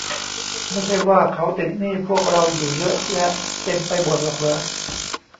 ไม่ใช่ว่าเขาติดหนี้พวกเราอยู่เยอะแยะเต็มไปหมดหรอกหรอ ?